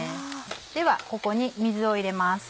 ではここに水を入れます。